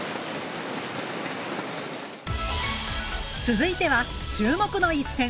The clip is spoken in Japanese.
続いては注目の一戦。